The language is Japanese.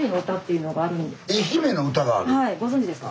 はいご存じですか？